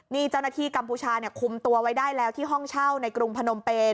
นี่เจ้าหน้าที่กัมพูชาคุมตัวไว้ได้แล้วที่ห้องเช่าในกรุงพนมเปน